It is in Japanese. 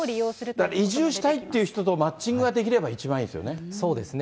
だから移住したいっていう人と、マッチングができれば一番いそうですね。